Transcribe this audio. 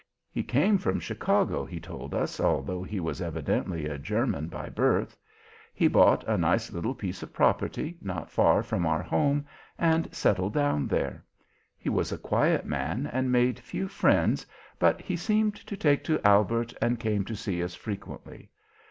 "He came from Chicago; he told us, although he was evidently a German by birth. He bought a nice little piece of property, not far from our home, and settled down there. He was a quiet man and made few friends, but he seemed to take to Albert and came to see us frequently.